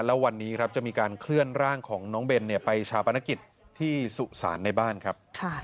แล้ววันนี้ครับจะมีการเคลื่อนร่างของน้องเบนไปชาปนกิจที่สุสานในบ้านครับ